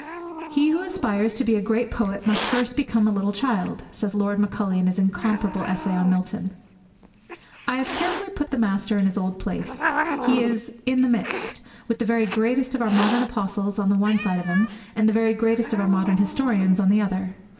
'He who aspires to be a great poet must first become a little child!' says Lord Macaulay in his incomparable essay on Milton. I have carefully put the Master in His old place. He is in the midst, with the very greatest of our modern apostles on the one side of Him, and the very greatest of our modern historians on the other.